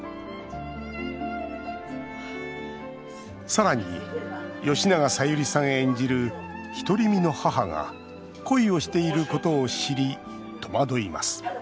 さらに、吉永小百合さん演じる独り身の母が恋をしていることを知り戸惑います。